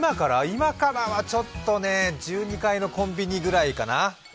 今からはちょっとね、１２階のコンビニぐらいかな。